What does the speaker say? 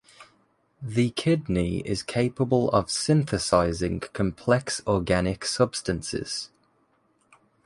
The kidney is capable of synthesizing complex organic substances.